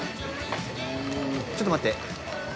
ちょっと待って。